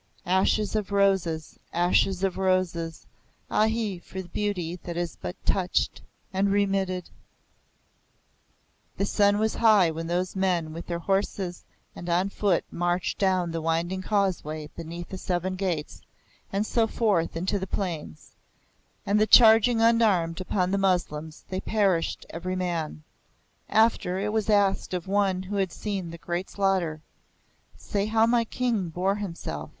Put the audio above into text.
(Ashes of roses ashes of roses! Ahi! for beauty that is but touched and remitted!) The sun was high when those men with their horses and on foot marched down the winding causeway beneath the seven gates, and so forth into the plains, and charging unarmed upon the Moslems, they perished every man. After, it was asked of one who had seen the great slaughter, "Say how my King bore himself."